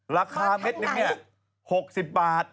ราคาเมตรหนึ่ง๖๐บาท